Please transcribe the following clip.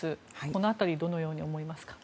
この辺りどのように思いますか？